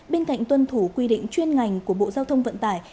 bên cạnh tuân thủ quy định chuyên ngành của bộ giao thông vận tải